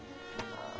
ああ！